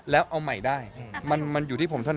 แล้วเอาใหม่ได้มันอยู่ที่ผมเท่านั้น